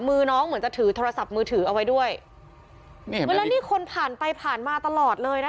มือน้องเหมือนจะถือโทรศัพท์มือถือเอาไว้ด้วยเนี่ยเวลานี่คนผ่านไปผ่านมาตลอดเลยนะคะ